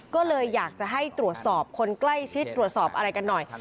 ก็เลยอยากจะให้ตรวจสอบคนใกล้ชิดตรวจสอบอะไรกันหน่อย